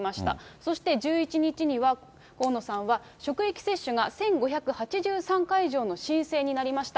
そして１１日には河野さんは、職域接種が１５８３会場の申請になりました。